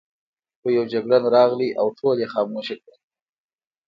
خو یو جګړن راغی او ټول یې خاموشه کړل.